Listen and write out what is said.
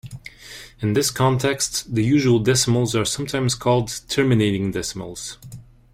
In this context, the usual decimals are sometimes called "terminating decimals".